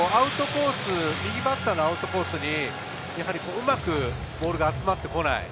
右バッターのアウトコースにうまくボールが集まってこない。